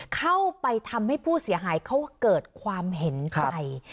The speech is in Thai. เข้าไปทำให้ผู้เสียหายเขาเกิดความเห็นใจ